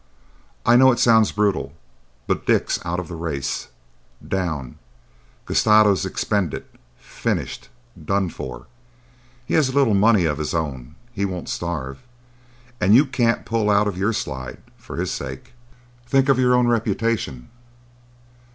I know it sounds brutal, but Dick's out of the race,—down,—gastados, expended, finished, done for. He has a little money of his own. He won't starve, and you can't pull out of your slide for his sake. Think of your own reputation."